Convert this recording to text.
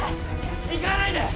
行かないで！